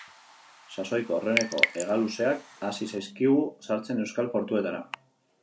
Sasoiko aurreneko hegaluzeak hasi zaizkigu sartzen euskal portuetara.